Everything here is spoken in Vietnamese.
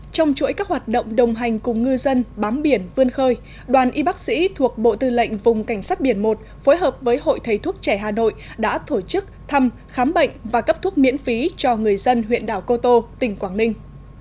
trong chuỗi các hoạt động đồng hành cùng ngư dân bám biển vươn khơi đoàn y bác sĩ thuộc bộ tư lệnh vùng cảnh sát biển một phối hợp với hội thầy thuốc trẻ hà nội đã thổ chức thăm khám bệnh và cấp thuốc miễn phí cho người dân huyện đảo cô tô tỉnh quảng ninh